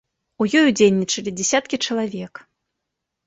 У ёй удзельнічалі дзясяткі чалавек.